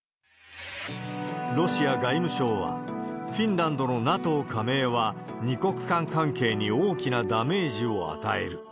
ロシア外務省は、フィンランドのＮＡＴＯ加盟は、２国間関係に大きなダメージを与える。